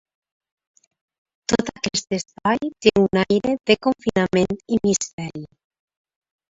Tot aquest espai té un aire de confinament i misteri.